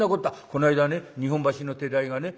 この間ね日本橋の手代がね